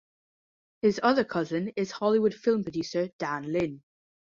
His other cousin is Hollywood film producer Dan Lin.